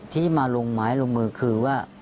ที่มาลงไม้ลงมือคือว่า